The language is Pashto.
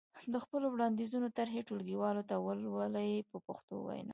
د خپلو وړاندیزونو طرحې ټولګیوالو ته ولولئ په پښتو وینا.